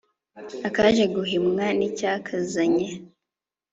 akaje gahimwa n'icyakazanye